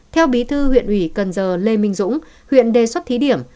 theo bí thư huyện ủy cần giờ lê minh dũng huyện đề xuất thí điểm